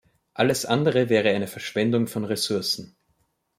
Alles andere wäre eine Verschwendung von Ressourcen.